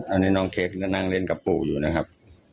อันนี้น้องเคสนี้ก็นั่งเล่นกับปู่อยู่นะครับ